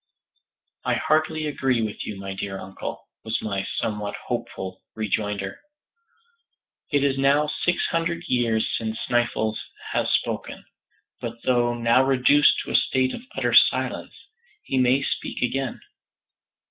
"I heartily agree with you, my dear uncle," was my somewhat hopeful rejoinder. "It is now six hundred years since Sneffels has spoken, but though now reduced to a state of utter silence, he may speak again.